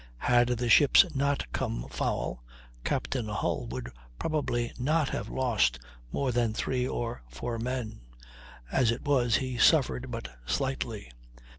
Had the ships not come foul, Captain Hull would probably not have lost more than three or four men; as it was, he suffered but slightly.